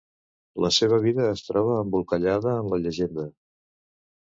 La seva vida es troba embolcallada en la llegenda.